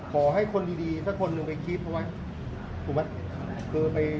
ขอให้คนดีสักคนหนึ่งไปคิดเขาไว้ถูกไหม